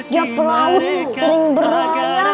dia pelaut sering berlayar